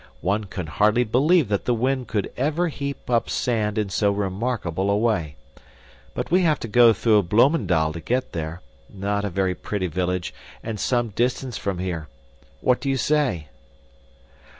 One can hardly believe that the wind could ever heap up sand in so remarkable a way. But we have to go through Bloemendal to get there, not a very pretty village, and some distance from here. What do you say?"